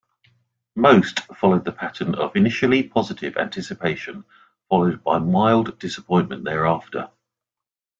Most followed the pattern of initially positive anticipation, followed by mild disappointment thereafter.